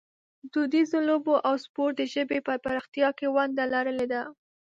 دودیزو لوبو او سپورټ د ژبې په پراختیا کې ونډه لرلې ده.